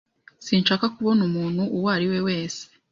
Sinshaka kubona umuntu uwo ari we wese.